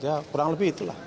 ya kurang lebih itulah